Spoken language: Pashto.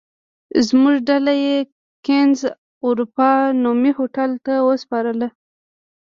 زموږ ډله یې کېنز اروپا نومي هوټل ته وسپارله.